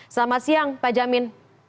selamat siang pak jamin